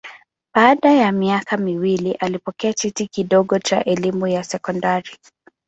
Baada ya miaka miwili alipokea cheti kidogo cha elimu ya sekondari.